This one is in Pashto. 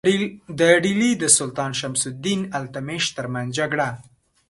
د ډهلي د سلطان شمس الدین التمش ترمنځ جګړه.